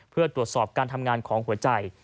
เพื่อตรวจสอบการทำงานของหัวใจ